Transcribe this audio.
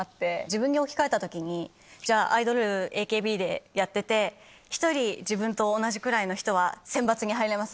自分に置き換えた時にアイドルＡＫＢでやってて１人自分と同じくらいの人は選抜に入れます。